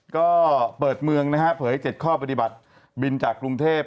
ก็เปิดเมืองนะฮะเผย๗ข้อปฏิบัติบินจากกรุงเทพ